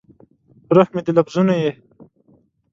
روح مې د لفظونو یې